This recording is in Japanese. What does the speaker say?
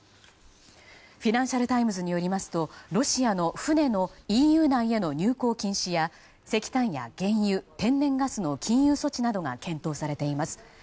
フィナンシャル・タイムズによりますとロシアの船のＥＵ内への入港禁止や石炭や原油、天然ガスの禁輸措置などが検討されています。